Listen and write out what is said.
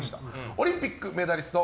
オリンピックメダリスト！